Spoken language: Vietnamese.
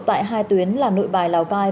tại hai tuyến là nội bài lào cai